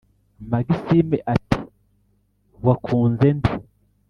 maxime ati"wakunze nde